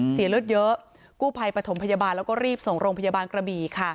เสียเลือดเยอะกู้ภัยปฐมพยาบาลแล้วก็รีบส่งโรงพยาบาลกระบี่ค่ะ